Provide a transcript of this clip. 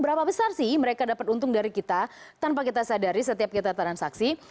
berapa besar sih mereka dapat untung dari kita tanpa kita sadari setiap kita transaksi